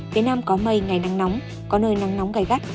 phía nam có mây ngày nắng nóng có nơi nắng nóng gai gắt